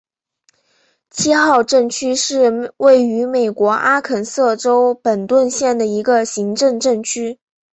七号镇区是位于美国阿肯色州本顿县的一个行政镇区。